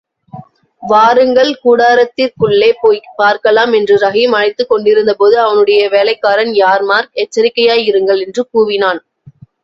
வாருங்கள் கூடாரத்திற்குள்ளே போய்ப் பார்க்கலாம்! என்று ரஹீம் அழைத்துக் கொண்டிருந்தபோது அவனுடைய வேலைக்காரன் யார்மார்க் எச்சரிக்கையாயிருங்கள் என்று கூவினான்.